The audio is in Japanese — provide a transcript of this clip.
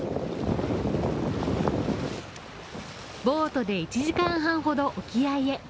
ボートで１時間半ほど沖合へ。